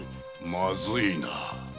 まずいな。